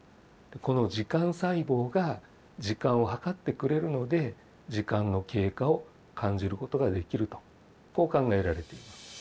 この時間細胞が時間を計ってくれるので時間の経過を感じることができるとこう考えられています。